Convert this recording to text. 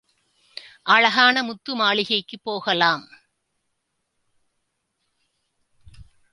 அழகான முத்து மாளிகைக்குப் போகலாம்.